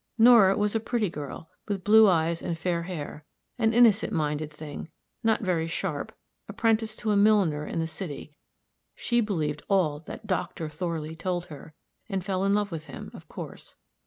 Nora was a pretty girl, with blue eyes and fair hair; an innocent minded thing, not very sharp, apprenticed to a milliner in the city; she believed all that Doctor Thorley told her, and fell in love with him, of course.